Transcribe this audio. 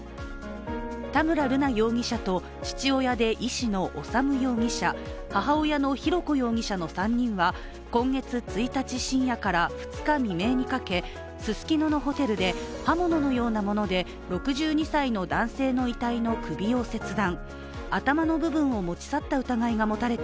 田村瑠奈容疑者と父親で医師の修容疑者、母親の浩子容疑者の３人は今月１日深夜から２日未明にかけススキノのホテルで刃物のようなもので６２歳の男性の遺体の首を切断。